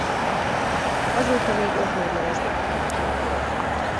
Azóta még öt nagylemezt adtak ki.